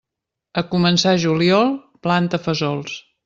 A començar juliol, planta fesols.